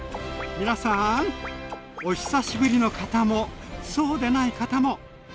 皆さん！お久しぶりの方もそうでない方も。